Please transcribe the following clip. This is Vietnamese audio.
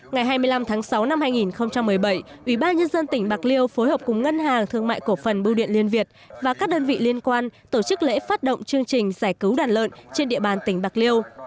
ngày hai mươi năm tháng sáu năm hai nghìn một mươi bảy ubnd tỉnh bạc liêu phối hợp cùng ngân hàng thương mại cổ phần bưu điện liên việt và các đơn vị liên quan tổ chức lễ phát động chương trình giải cứu đàn lợn trên địa bàn tỉnh bạc liêu